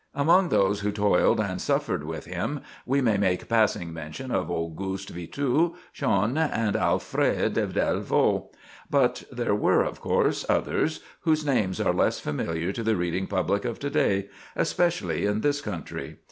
Among those who toiled and suffered with him, we may make passing mention of Auguste Vitu, Schaune, and Alfred Delvau; but there were, of course, others, whose names are less familiar to the reading public of to day, especially in this country.